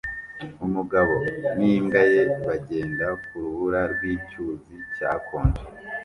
Umugabo n'imbwa ye bagenda ku rubura rw'icyuzi cyakonje